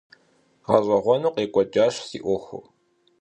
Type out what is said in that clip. ГъэщӀэгъуэну къекӀуэкӀащ си Ӏуэхур.